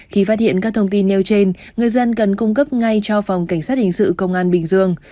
khi phát hiện các thông tin nêu trên người dân cần cung cấp ngay cho phòng cảnh sát hình sự công an bình dương